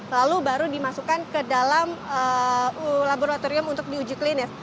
lalu baru dimasukkan ke dalam laboratorium untuk diuji klinis